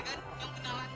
boleh kan nyom kenalan